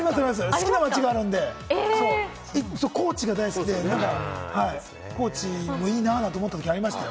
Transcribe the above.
好きな街があって、高知が好きで、高知もいいなって思ったことがありましたよ。